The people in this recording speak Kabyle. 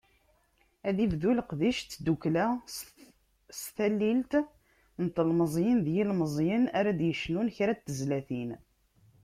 Ad ibdu leqdic n tddukkla, s talilt n telmeẓyin d yilmeẓyen ara d-yecnun kra n tezlatin.